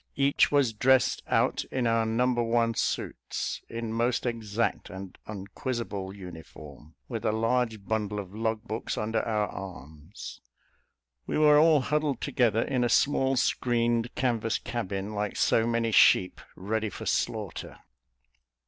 Each was dressed out in our No. I suits, in most exact and unquizzable uniform, with a large bundle of log books under our arms. We were all huddled together in a small screened canvas cabin, like so many sheep ready for slaughter.